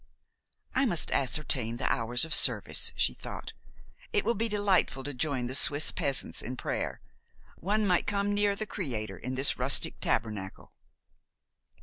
"I must ascertain the hours of service," she thought. "It will be delightful to join the Swiss peasants in prayer. One might come near the Creator in this rustic tabernacle."